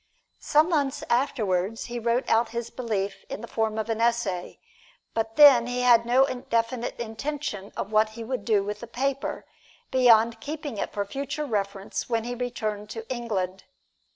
Some months afterward he wrote out his belief in the form of an essay, but then he had no definite intention of what he would do with the paper, beyond keeping it for future reference when he returned to England.